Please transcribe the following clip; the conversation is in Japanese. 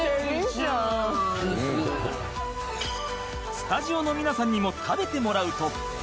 スタジオの皆さんにも食べてもらうと。